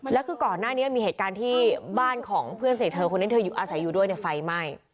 แล้วคือก่อนหน้านี้มีเหตุการณ์ที่บ้านของเพื่อนเสียเธอคนนี้เธออยู่อาศัยอยู่ด้วยไฟไหม้